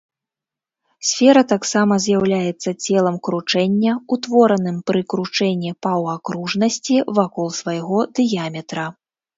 Сфера таксама з'яўляецца целам кручэння, утвораным пры кручэнні паўакружнасці вакол свайго дыяметра.